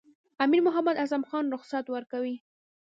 امیر محمد اعظم خان رخصت ورکوي.